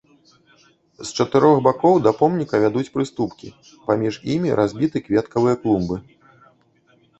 З чатырох бакоў да помніка вядуць прыступкі, паміж імі разбіты кветкавыя клумбы.